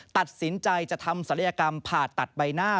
ตัดสินใจจะทำศัลยกรรมผ่าตัดใบหน้า